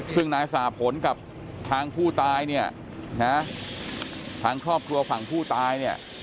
ซึ่งนายสะหัสผลกับทางผู้ตายทางครอบครัวฝั่งผู้ตาย